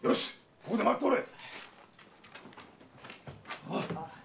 ここで待っておれ！